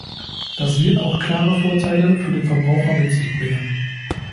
Das wird auch klare Vorteile für den Verbraucher mit sich bringen.